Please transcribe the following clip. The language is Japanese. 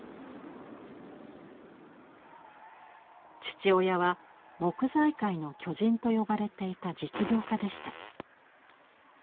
父親は「木材界の巨人」と呼ばれていた実業家でした。